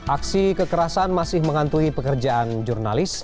aksi kekerasan masih mengantui pekerjaan jurnalis